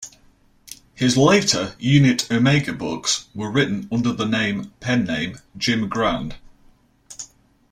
His later "Unit Omega" books were written under the name pen name Jim Grand.